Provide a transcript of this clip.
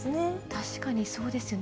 確かにそうですよね。